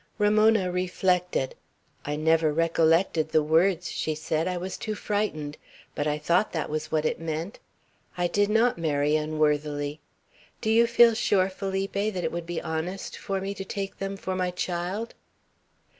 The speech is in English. Ramona reflected. "I never recollected the words," she said. "I was too frightened; but I thought that was what it meant. I did not marry unworthily. Do you feel sure, Felipe, that it would be honest for me to take them for my child?"